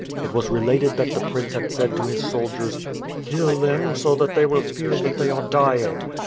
It was related that the prince had said to his soldiers, "Kill them so that they will feel that they are dying."